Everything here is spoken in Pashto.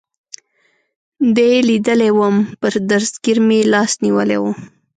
دې لیدلی ووم، پر دستګیر مې لاس نیولی و.